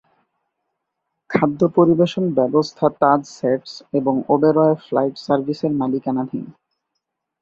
খাদ্য পরিবেশন ব্যবস্থা তাজ-স্যাটস এবং ওবেরয় ফ্লাইট সার্ভিসের মালিকানাধীন।